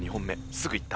すぐいった。